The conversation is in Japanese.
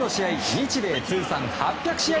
日米通算８００試合